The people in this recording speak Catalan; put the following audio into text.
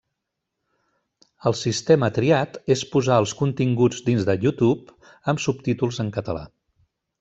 El sistema triat és posar els continguts dins de YouTube amb subtítols en català.